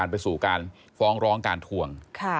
ไปสู่การฟ้องร้องการทวง